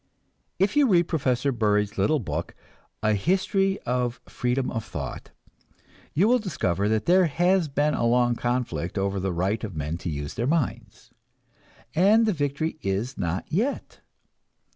If you read Professor Bury's little book, "A History of Freedom of Thought," you will discover that there has been a long conflict over the right of men to use their minds and the victory is not yet.